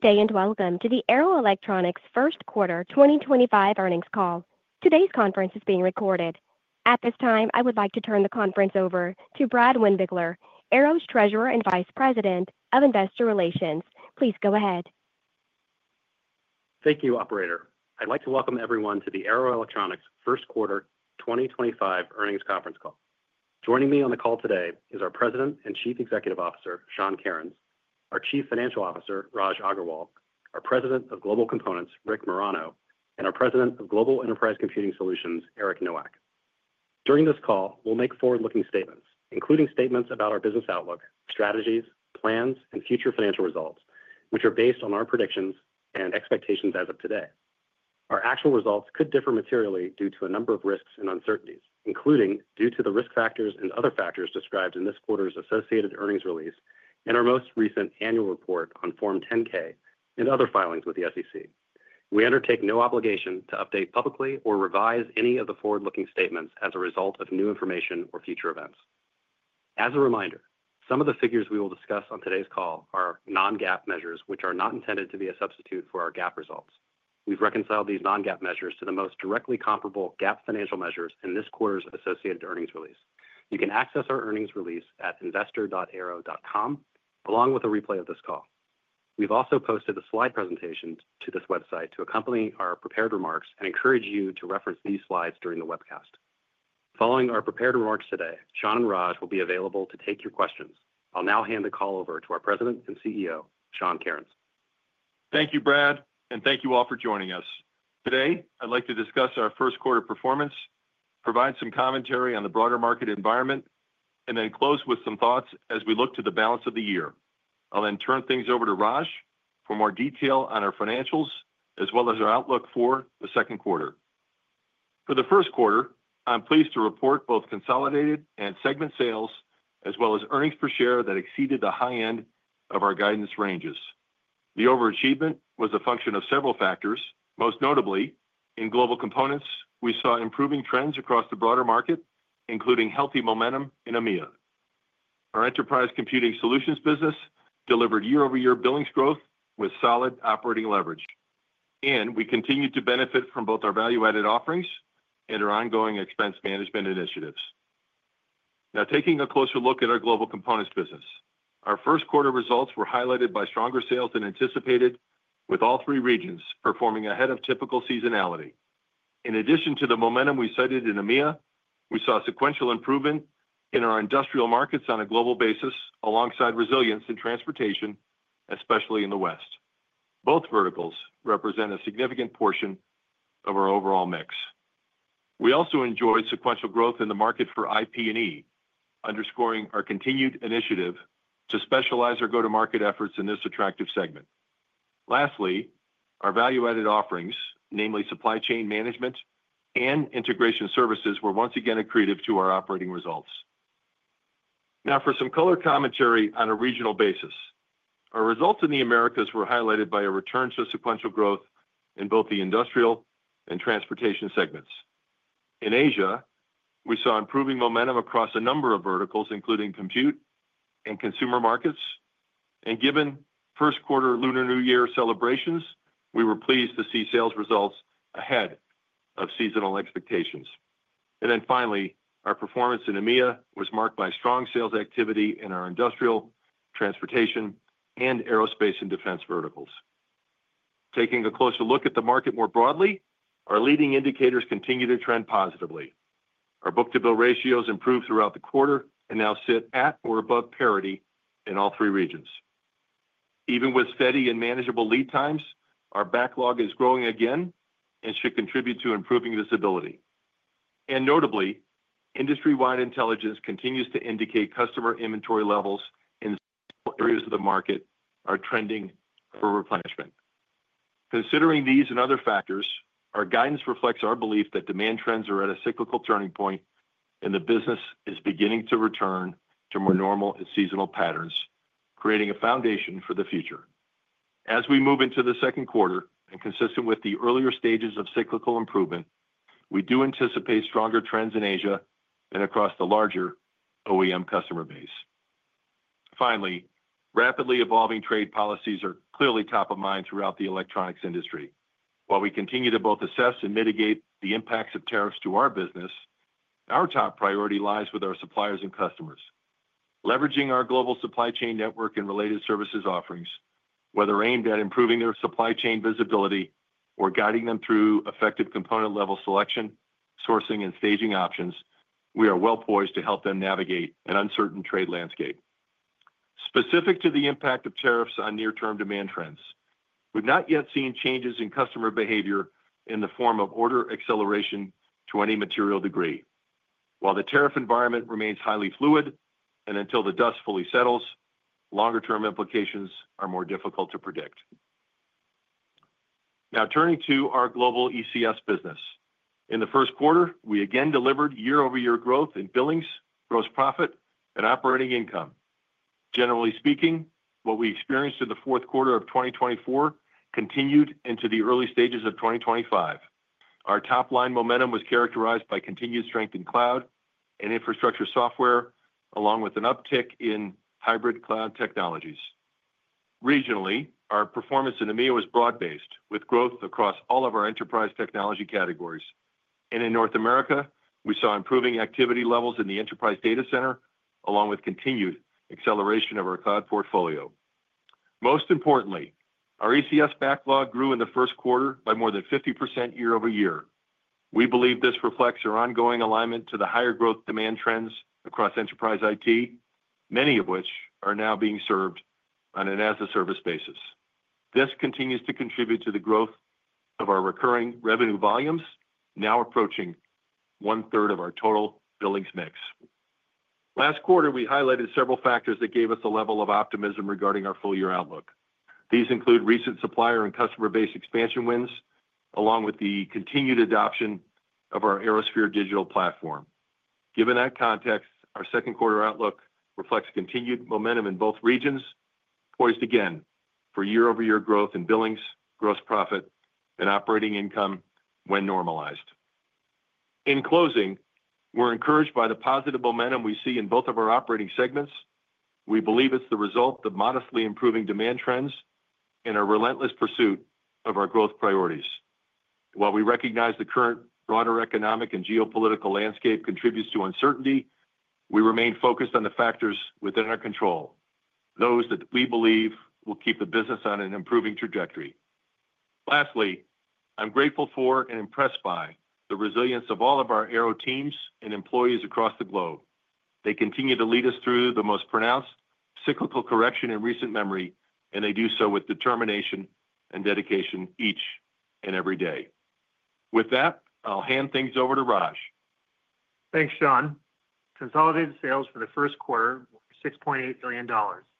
Good day and welcome to the Arrow Electronics first quarter 2025 earnings call. Today's conference is being recorded. At this time, I would like to turn the conference over to Brad Windbigler, Arrow's Treasurer and Vice President of Investor Relations. Please go ahead. Thank you, Operator. I'd like to welcome everyone to the Arrow Electronics first quarter 2025 earnings conference call. Joining me on the call today is our President and Chief Executive Officer, Sean Kerins, our Chief Financial Officer, Raj Agrawal, our President of Global Components, Rick Marano, and our President of Global Enterprise Computing Solutions, Eric Nowak. During this call, we'll make forward-looking statements, including statements about our business outlook, strategies, plans, and future financial results, which are based on our predictions and expectations as of today. Our actual results could differ materially due to a number of risks and uncertainties, including due to the risk factors and other factors described in this quarter's associated earnings release and our most recent annual report on Form 10-K and other filings with the SEC. We undertake no obligation to update publicly or revise any of the forward-looking statements as a result of new information or future events. As a reminder, some of the figures we will discuss on today's call are non-GAAP measures, which are not intended to be a substitute for our GAAP results. We have reconciled these non-GAAP measures to the most directly comparable GAAP financial measures in this quarter's associated earnings release. You can access our earnings release at investor.arrow.com along with a replay of this call. We have also posted a slide presentation to this website to accompany our prepared remarks and encourage you to reference these slides during the webcast. Following our prepared remarks today, Sean and Raj will be available to take your questions. I will now hand the call over to our President and CEO, Sean Kerins. Thank you, Brad, and thank you all for joining us. Today, I'd like to discuss our first quarter performance, provide some commentary on the broader market environment, and then close with some thoughts as we look to the balance of the year. I'll then turn things over to Raj for more detail on our financials as well as our outlook for the second quarter. For the first quarter, I'm pleased to report both consolidated and segment sales as well as earnings per share that exceeded the high end of our guidance ranges. The overachievement was a function of several factors. Most notably, in Global Components, we saw improving trends across the broader market, including healthy momentum in EMEA. Our Enterprise Computing Solutions business delivered year-over-year billings growth with solid operating leverage, and we continued to benefit from both our value-added offerings and our ongoing expense management initiatives. Now, taking a closer look at our Global Components business, our first quarter results were highlighted by stronger sales than anticipated, with all three regions performing ahead of typical seasonality. In addition to the momentum we cited in EMEA, we saw sequential improvement in our industrial markets on a global basis alongside resilience in transportation, especially in the West. Both verticals represent a significant portion of our overall mix. We also enjoyed sequential growth in the market for IP&E, underscoring our continued initiative to specialize our go-to-market efforts in this attractive segment. Lastly, our value-added offerings, namely supply chain management and integration services, were once again accretive to our operating results. Now, for some color commentary on a regional basis, our results in the Americas were highlighted by a return to sequential growth in both the industrial and transportation segments. In Asia, we saw improving momentum across a number of verticals, including compute and consumer markets, and given first quarter Lunar New Year celebrations, we were pleased to see sales results ahead of seasonal expectations. Our performance in EMEA was marked by strong sales activity in our industrial, transportation, and aerospace and defense verticals. Taking a closer look at the market more broadly, our leading indicators continue to trend positively. Our book-to-bill ratios improved throughout the quarter and now sit at or above parity in all three regions. Even with steady and manageable lead times, our backlog is growing again and should contribute to improving visibility. Notably, industry-wide intelligence continues to indicate customer inventory levels in several areas of the market are trending for replenishment. Considering these and other factors, our guidance reflects our belief that demand trends are at a cyclical turning point and the business is beginning to return to more normal and seasonal patterns, creating a foundation for the future. As we move into the second quarter, and consistent with the earlier stages of cyclical improvement, we do anticipate stronger trends in Asia and across the larger OEM customer base. Finally, rapidly evolving trade policies are clearly top of mind throughout the electronics industry. While we continue to both assess and mitigate the impacts of tariffs to our business, our top priority lies with our suppliers and customers. Leveraging our global supply chain network and related services offerings, whether aimed at improving their supply chain visibility or guiding them through effective component-level selection, sourcing, and staging options, we are well poised to help them navigate an uncertain trade landscape. Specific to the impact of tariffs on near-term demand trends, we've not yet seen changes in customer behavior in the form of order acceleration to any material degree. While the tariff environment remains highly fluid, and until the dust fully settles, longer-term implications are more difficult to predict. Now turning to our global ECS business. In the first quarter, we again delivered year-over-year growth in billings, gross profit, and operating income. Generally speaking, what we experienced in the fourth quarter of 2024 continued into the early stages of 2025. Our top-line momentum was characterized by continued strength in cloud and infrastructure software, along with an uptick in hybrid cloud technologies. Regionally, our performance in EMEA was broad-based, with growth across all of our enterprise technology categories. In North America, we saw improving activity levels in the enterprise data center, along with continued acceleration of our cloud portfolio. Most importantly, our ECS backlog grew in the first quarter by more than 50% year-over-year. We believe this reflects our ongoing alignment to the higher growth demand trends across enterprise IT, many of which are now being served on an as-a-service basis. This continues to contribute to the growth of our recurring revenue volumes, now approaching one-third of our total billings mix. Last quarter, we highlighted several factors that gave us a level of optimism regarding our full-year outlook. These include recent supplier and customer base expansion wins, along with the continued adoption of our ArrowSphere digital platform. Given that context, our second quarter outlook reflects continued momentum in both regions, poised again for year-over-year growth in billings, gross profit, and operating income when normalized. In closing, we're encouraged by the positive momentum we see in both of our operating segments. We believe it's the result of modestly improving demand trends and our relentless pursuit of our growth priorities. While we recognize the current broader economic and geopolitical landscape contributes to uncertainty, we remain focused on the factors within our control, those that we believe will keep the business on an improving trajectory. Lastly, I'm grateful for and impressed by the resilience of all of our Arrow teams and employees across the globe. They continue to lead us through the most pronounced cyclical correction in recent memory, and they do so with determination and dedication each and every day. With that, I'll hand things over to Raj. Thanks, Sean. Consolidated sales for the first quarter were $6.8 billion,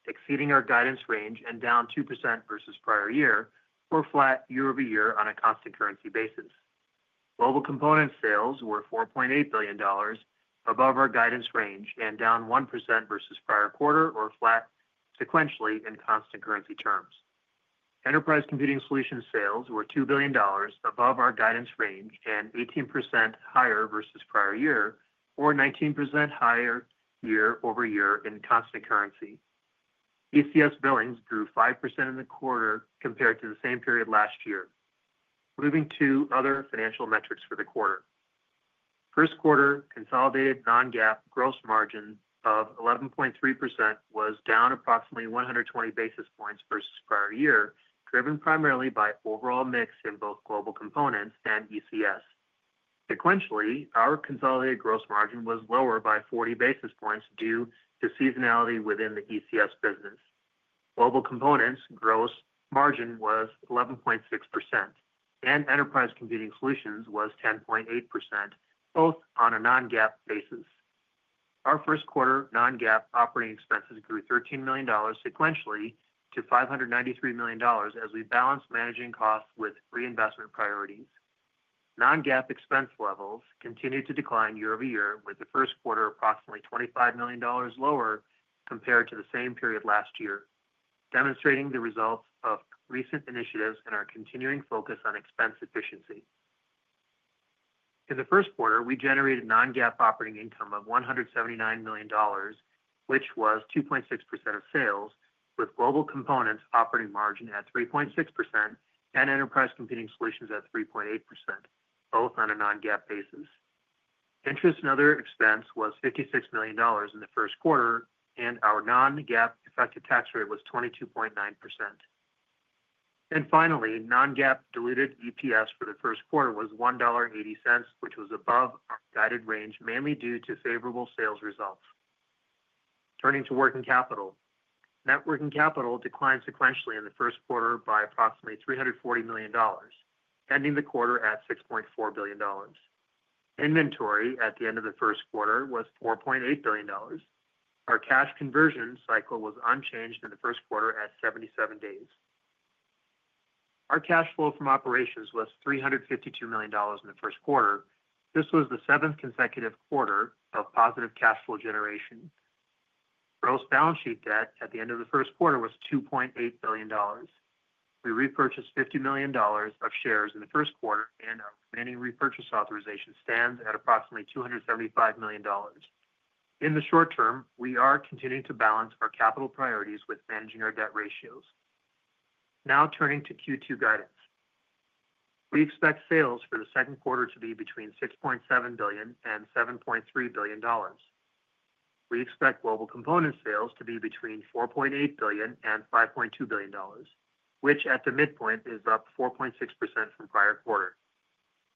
exceeding our guidance range and down 2% versus prior year, or flat year-over-year on a cost and currency basis. Global Components sales were $4.8 billion, above our guidance range and down 1% versus prior quarter, or flat sequentially in cost and currency terms. Enterprise Computing Solutions sales were $2 billion, above our guidance range and 18% higher versus prior year, or 19% higher year-over-year in cost and currency. ECS billings grew 5% in the quarter compared to the same period last year. Moving to other financial metrics for the quarter. First quarter consolidated non-GAAP gross margin of 11.3% was down approximately 120 basis points versus prior year, driven primarily by overall mix in both Global Components and ECS. Sequentially, our consolidated gross margin was lower by 40 basis points due to seasonality within the ECS business. Global Components gross margin was 11.6%, and Enterprise Computing Solutions was 10.8%, both on a non-GAAP basis. Our first quarter non-GAAP operating expenses grew $13 million sequentially to $593 million as we balanced managing costs with reinvestment priorities. Non-GAAP expense levels continued to decline year-over-year, with the first quarter approximately $25 million lower compared to the same period last year, demonstrating the results of recent initiatives and our continuing focus on expense efficiency. In the first quarter, we generated non-GAAP operating income of $179 million, which was 2.6% of sales, with Global Components operating margin at 3.6% and Enterprise Computing Solutions at 3.8%, both on a non-GAAP basis. Interest and other expense was $56 million in the first quarter, and our non-GAAP effective tax rate was 22.9%. Finally, non-GAAP diluted EPS for the first quarter was $1.80, which was above our guided range, mainly due to favorable sales results. Turning to working capital, net working capital declined sequentially in the first quarter by approximately $340 million, ending the quarter at $6.4 billion. Inventory at the end of the first quarter was $4.8 billion. Our cash conversion cycle was unchanged in the first quarter at 77 days. Our cash flow from operations was $352 million in the first quarter. This was the seventh consecutive quarter of positive cash flow generation. Gross balance sheet debt at the end of the first quarter was $2.8 billion. We repurchased $50 million of shares in the first quarter, and our remaining repurchase authorization stands at approximately $275 million. In the short term, we are continuing to balance our capital priorities with managing our debt ratios. Now turning to Q2 guidance, we expect sales for the second quarter to be between $6.7 billion and $7.3 billion. We expect Global Components sales to be between $4.8 billion and $5.2 billion, which at the midpoint is up 4.6% from prior quarter.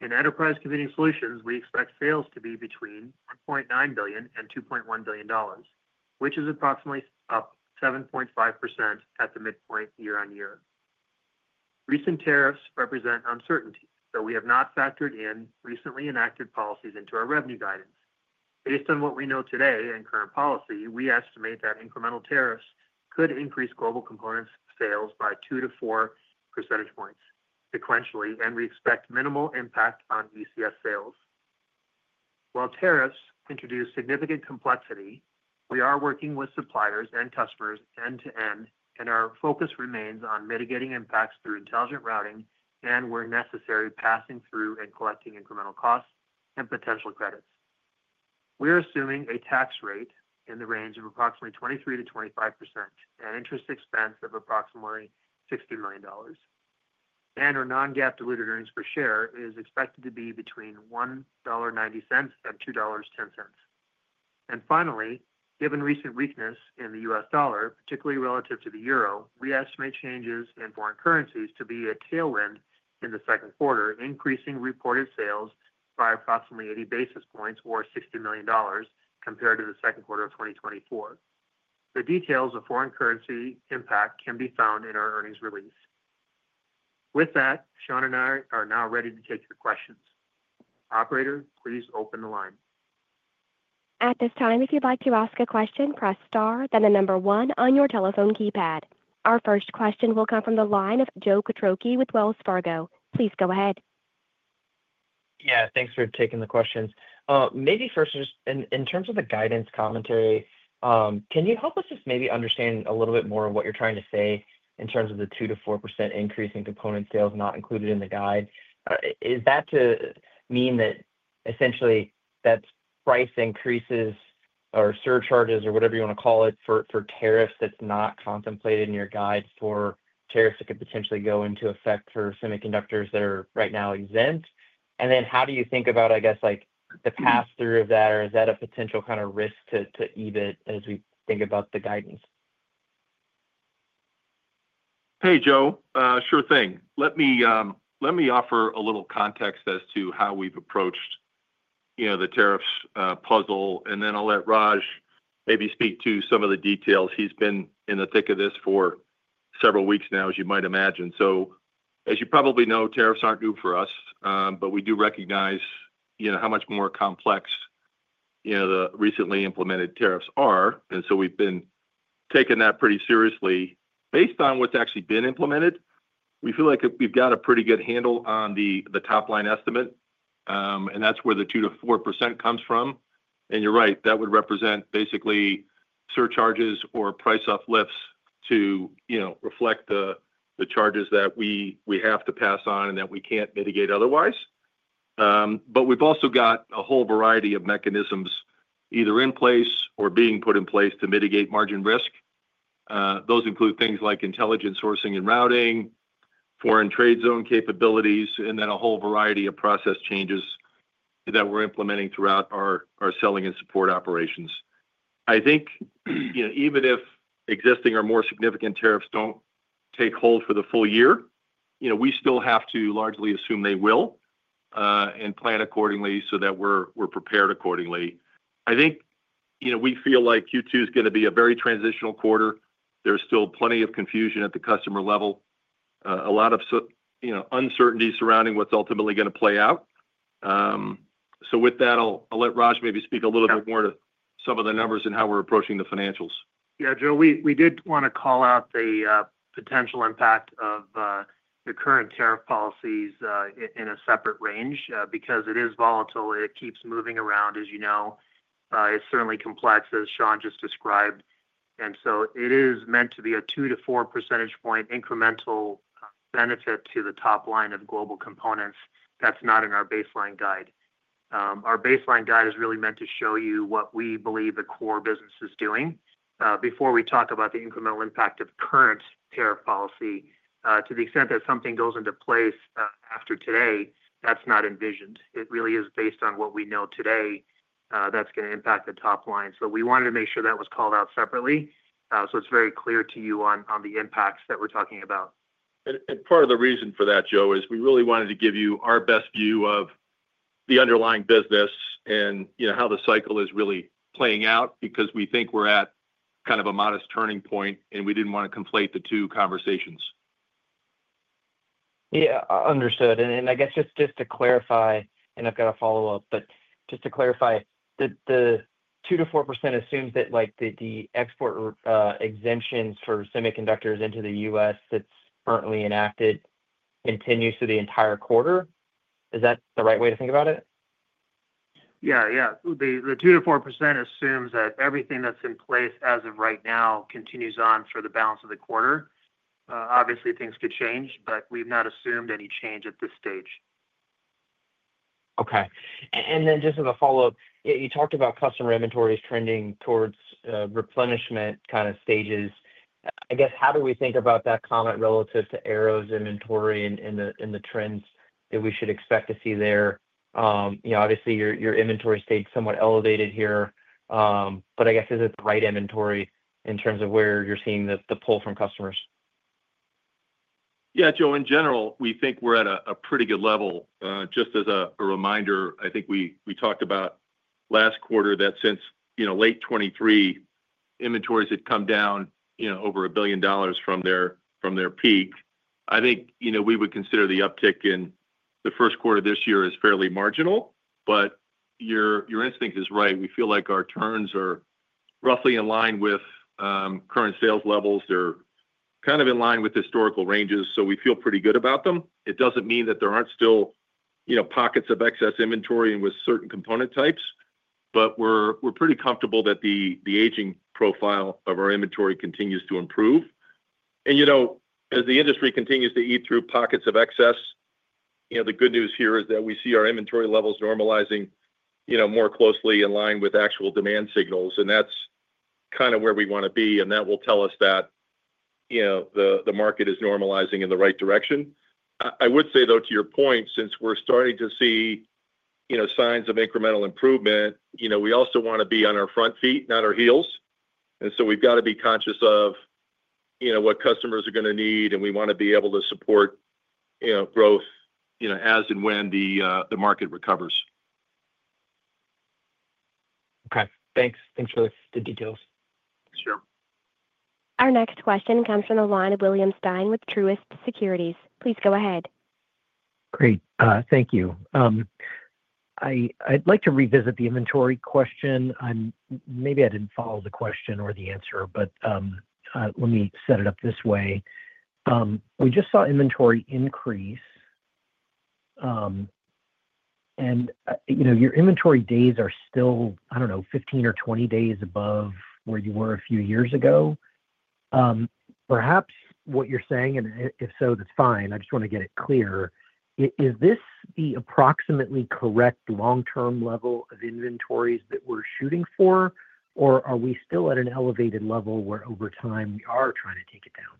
In Enterprise Computing Solutions, we expect sales to be between $1.9 billion and $2.1 billion, which is approximately up 7.5% at the midpoint year-on-year. Recent tariffs represent uncertainty, so we have not factored in recently enacted policies into our revenue guidance. Based on what we know today and current policy, we estimate that incremental tariffs could increase Global Components sales by 2 to 4 percentage points sequentially, and we expect minimal impact on ECS sales. While tariffs introduce significant complexity, we are working with suppliers and customers end-to-end, and our focus remains on mitigating impacts through intelligent routing and, where necessary, passing through and collecting incremental costs and potential credits. We are assuming a tax rate in the range of approximately 23%-25% and interest expense of approximately $60 million. Our non-GAAP diluted earnings per share is expected to be between $1.90 and $2.10. Finally, given recent weakness in the US dollar, particularly relative to the euro, we estimate changes in foreign currencies to be a tailwind in the second quarter, increasing reported sales by approximately 80 basis points or $60 million compared to the second quarter of 2024. The details of foreign currency impact can be found in our earnings release. With that, Sean and I are now ready to take your questions. Operator, please open the line. At this time, if you'd like to ask a question, press star, then the number one on your telephone keypad. Our first question will come from the line of Joe Quatrochi with Wells Fargo. Please go ahead. Yeah, thanks for taking the questions. Maybe first, just in terms of the guidance commentary, can you help us just maybe understand a little bit more of what you're trying to say in terms of the 2-4% increase in component sales not included in the guide? Is that to mean that essentially that's price increases or surcharges or whatever you want to call it for tariffs that's not contemplated in your guide for tariffs that could potentially go into effect for semiconductors that are right now exempt? And then how do you think about, I guess, the pass-through of that, or is that a potential kind of risk to EBIT as we think about the guidance? Hey, Joe, sure thing. Let me offer a little context as to how we've approached the tariffs puzzle, and then I'll let Raj maybe speak to some of the details. He's been in the thick of this for several weeks now, as you might imagine. As you probably know, tariffs aren't new for us, but we do recognize how much more complex the recently implemented tariffs are. We have been taking that pretty seriously. Based on what's actually been implemented, we feel like we've got a pretty good handle on the top-line estimate, and that's where the 2-4% comes from. You're right, that would represent basically surcharges or price uplifts to reflect the charges that we have to pass on and that we can't mitigate otherwise. We have also got a whole variety of mechanisms either in place or being put in place to mitigate margin risk. Those include things like intelligent sourcing and routing, foreign trade zone capabilities, and then a whole variety of process changes that we are implementing throughout our selling and support operations. I think even if existing or more significant tariffs do not take hold for the full year, we still have to largely assume they will and plan accordingly so that we are prepared accordingly. I think we feel like Q2 is going to be a very transitional quarter. There is still plenty of confusion at the customer level, a lot of uncertainty surrounding what is ultimately going to play out. With that, I will let Raj maybe speak a little bit more to some of the numbers and how we are approaching the financials. Yeah, Joe, we did want to call out the potential impact of the current tariff policies in a separate range because it is volatile. It keeps moving around, as you know. It's certainly complex, as Sean just described. It is meant to be a 2-4 percentage point incremental benefit to the top line of Global Components. That's not in our baseline guide. Our baseline guide is really meant to show you what we believe the core business is doing. Before we talk about the incremental impact of current tariff policy, to the extent that something goes into place after today, that's not envisioned. It really is based on what we know today that's going to impact the top line. We wanted to make sure that was called out separately. It is very clear to you on the impacts that we're talking about. Part of the reason for that, Joe, is we really wanted to give you our best view of the underlying business and how the cycle is really playing out because we think we're at kind of a modest turning point, and we didn't want to conflate the two conversations. Yeah, understood. I guess just to clarify, and I've got a follow-up, but just to clarify, the 2-4% assumes that the export exemptions for semiconductors into the U.S. that's currently enacted continue through the entire quarter. Is that the right way to think about it? Yeah, yeah. The 2-4% assumes that everything that's in place as of right now continues on for the balance of the quarter. Obviously, things could change, but we've not assumed any change at this stage. Okay. Just as a follow-up, you talked about customer inventories trending towards replenishment kind of stages. I guess how do we think about that comment relative to Arrow's inventory and the trends that we should expect to see there? Obviously, your inventory stayed somewhat elevated here, but I guess is it the right inventory in terms of where you're seeing the pull from customers? Yeah, Joe, in general, we think we're at a pretty good level. Just as a reminder, I think we talked about last quarter that since late 2023, inventories had come down over $1 billion from their peak. I think we would consider the uptick in the first quarter of this year as fairly marginal, but your instinct is right. We feel like our turns are roughly in line with current sales levels. They're kind of in line with historical ranges, so we feel pretty good about them. It doesn't mean that there aren't still pockets of excess inventory with certain component types, but we're pretty comfortable that the aging profile of our inventory continues to improve. As the industry continues to eat through pockets of excess, the good news here is that we see our inventory levels normalizing more closely in line with actual demand signals, and that's kind of where we want to be. That will tell us that the market is normalizing in the right direction. I would say, though, to your point, since we're starting to see signs of incremental improvement, we also want to be on our front feet, not our heels. We have to be conscious of what customers are going to need, and we want to be able to support growth as and when the market recovers. Okay. Thanks. Thanks for the details. Sure. Our next question comes from the line of William Stein with Truist Securities. Please go ahead. Great. Thank you. I'd like to revisit the inventory question. Maybe I didn't follow the question or the answer, but let me set it up this way. We just saw inventory increase, and your inventory days are still, I don't know, 15 or 20 days above where you were a few years ago. Perhaps what you're saying, and if so, that's fine. I just want to get it clear. Is this the approximately correct long-term level of inventories that we're shooting for, or are we still at an elevated level where over time we are trying to take it down?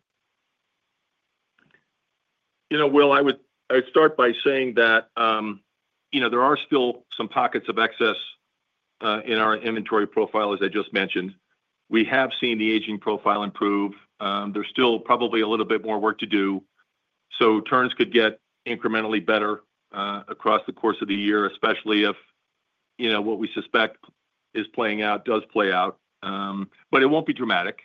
I would start by saying that there are still some pockets of excess in our inventory profile, as I just mentioned. We have seen the aging profile improve. There's still probably a little bit more work to do. Turns could get incrementally better across the course of the year, especially if what we suspect is playing out does play out. It won't be dramatic.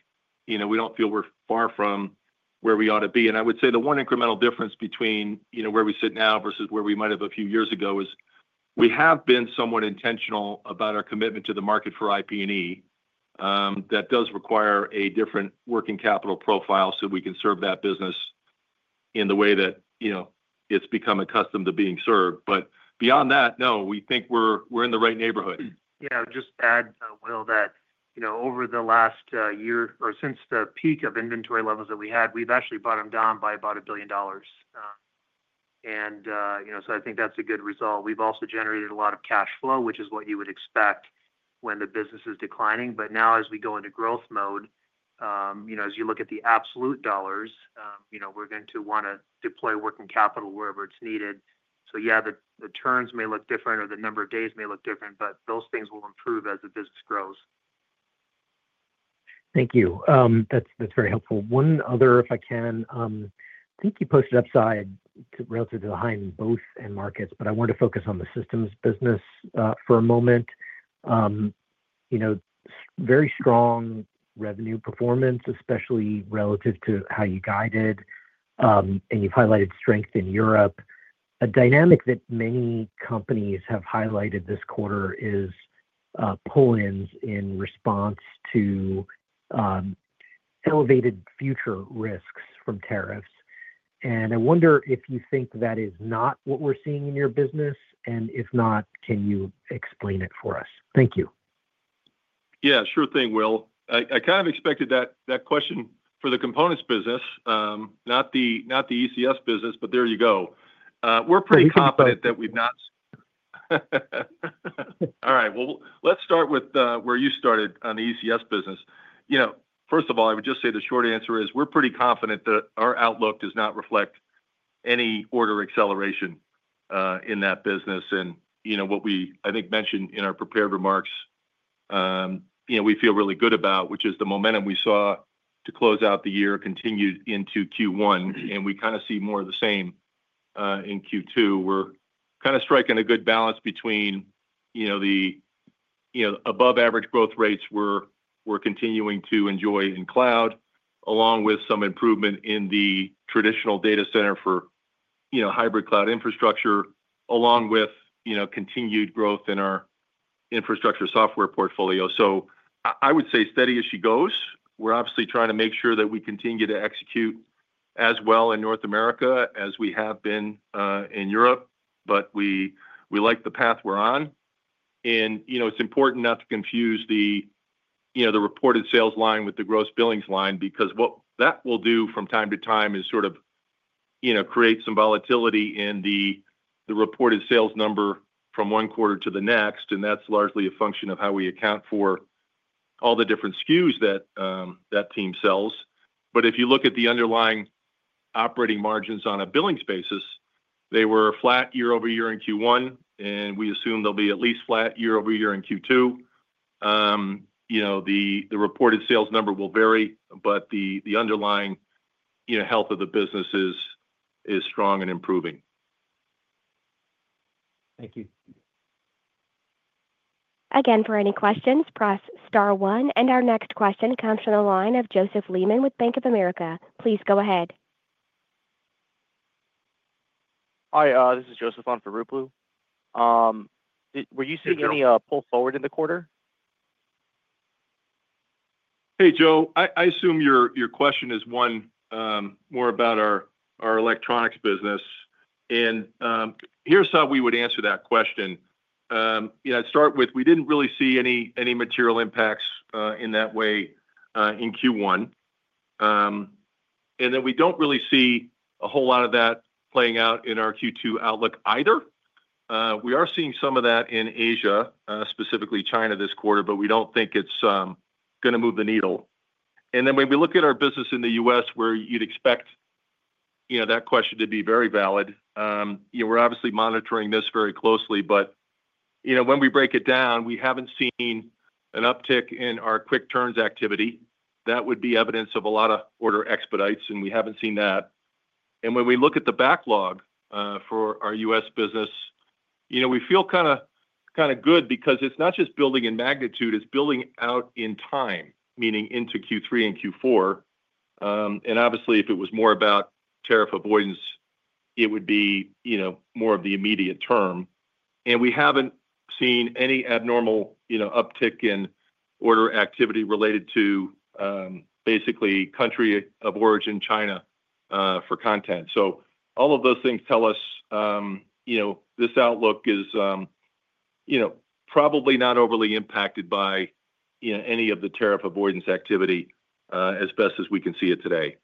We don't feel we're far from where we ought to be. I would say the one incremental difference between where we sit now versus where we might have a few years ago is we have been somewhat intentional about our commitment to the market for IP&E. That does require a different working capital profile so we can serve that business in the way that it's become accustomed to being served. Beyond that, no, we think we're in the right neighborhood. Yeah. I would just add, Will, that over the last year or since the peak of inventory levels that we had, we've actually brought them down by about $1 billion. I think that's a good result. We've also generated a lot of cash flow, which is what you would expect when the business is declining. Now, as we go into growth mode, as you look at the absolute dollars, we're going to want to deploy working capital wherever it's needed. Yeah, the turns may look different or the number of days may look different, but those things will improve as the business grows. Thank you. That's very helpful. One other, if I can, I think you posted upside relative to the high in both end markets, but I wanted to focus on the systems business for a moment. Very strong revenue performance, especially relative to how you guided, and you've highlighted strength in Europe. A dynamic that many companies have highlighted this quarter is pull-ins in response to elevated future risks from tariffs. I wonder if you think that is not what we're seeing in your business, and if not, can you explain it for us? Thank you. Yeah, sure thing, Will. I kind of expected that question for the components business, not the ECS business, but there you go. We're pretty confident that we've not. All right. Let's start with where you started on the ECS business. First of all, I would just say the short answer is we're pretty confident that our outlook does not reflect any order acceleration in that business. What we, I think, mentioned in our prepared remarks, we feel really good about, which is the momentum we saw to close out the year continued into Q1, and we kind of see more of the same in Q2. We're kind of striking a good balance between the above-average growth rates we're continuing to enjoy in cloud, along with some improvement in the traditional data center for hybrid cloud infrastructure, along with continued growth in our infrastructure software portfolio. I would say steady as she goes. We're obviously trying to make sure that we continue to execute as well in North America as we have been in Europe, but we like the path we're on. It's important not to confuse the reported sales line with the gross billings line because what that will do from time to time is sort of create some volatility in the reported sales number from one quarter to the next, and that's largely a function of how we account for all the different SKUs that team sells. If you look at the underlying operating margins on a billings basis, they were flat year-over-year in Q1, and we assume they'll be at least flat year-over-year in Q2. The reported sales number will vary, but the underlying health of the business is strong and improving. Thank you. Again, for any questions, press star one. Our next question comes from the line of Joseph Lehman with Bank of America. Please go ahead. Hi, this is Joseph on for Ruplu. Were you seeing any pull forward in the quarter? Hey, Joe. I assume your question is one more about our electronics business. Here's how we would answer that question. I'd start with we didn't really see any material impacts in that way in Q1. We don't really see a whole lot of that playing out in our Q2 outlook either. We are seeing some of that in Asia, specifically China this quarter, but we don't think it's going to move the needle. When we look at our business in the U.S., where you'd expect that question to be very valid, we're obviously monitoring this very closely. When we break it down, we haven't seen an uptick in our quick turns activity. That would be evidence of a lot of order expedites, and we haven't seen that. When we look at the backlog for our U.S. business, we feel kind of good because it is not just building in magnitude, it is building out in time, meaning into Q3 and Q4. Obviously, if it was more about tariff avoidance, it would be more of the immediate term. We have not seen any abnormal uptick in order activity related to basically country of origin, China, for content. All of those things tell us this outlook is probably not overly impacted by any of the tariff avoidance activity as best as we can see it today.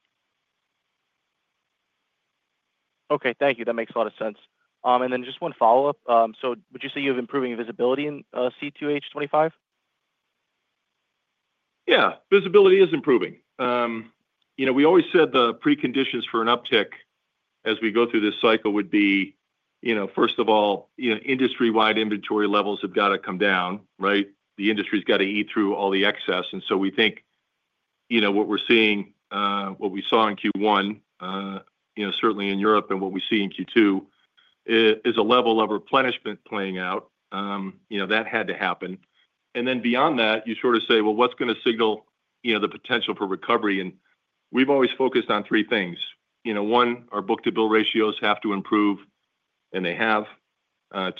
Okay. Thank you. That makes a lot of sense. One follow-up. Would you say you have improving visibility in 2H25? Yeah. Visibility is improving. We always said the preconditions for an uptick as we go through this cycle would be, first of all, industry-wide inventory levels have got to come down, right? The industry's got to eat through all the excess. We think what we're seeing, what we saw in Q1, certainly in Europe, and what we see in Q2 is a level of replenishment playing out. That had to happen. Beyond that, you sort of say, you know, what's going to signal the potential for recovery? We've always focused on three things. One, our book-to-bill ratios have to improve, and they have.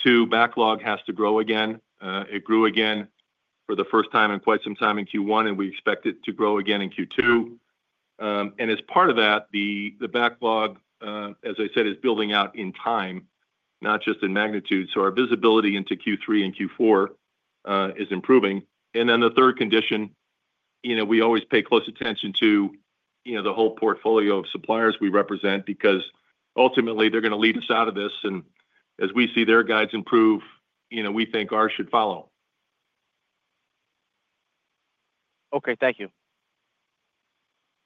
Two, backlog has to grow again. It grew again for the first time in quite some time in Q1, and we expect it to grow again in Q2. As part of that, the backlog, as I said, is building out in time, not just in magnitude. Our visibility into Q3 and Q4 is improving. The third condition, we always pay close attention to the whole portfolio of suppliers we represent because ultimately, they're going to lead us out of this. As we see their guides improve, we think ours should follow. Okay. Thank you.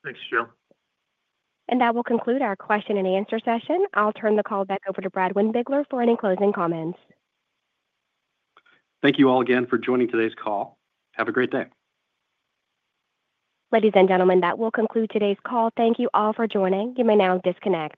Thanks, Joe. That will conclude our question-and-answer session. I'll turn the call back over to Brad Windbigler for any closing comments. Thank you all again for joining today's call. Have a great day. Ladies and gentlemen, that will conclude today's call. Thank you all for joining. You may now disconnect.